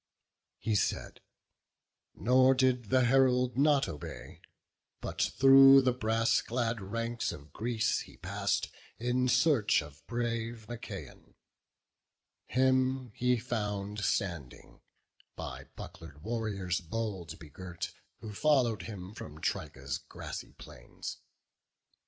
He said, nor did the herald not obey, But through the brass clad ranks of Greece he pass'd, In search of brave Machaon; him he found Standing, by buckler'd warriors bold begirt, Who follow'd him from Trica's grassy plains.